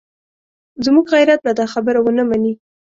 زموږ غیرت به دا خبره ونه مني.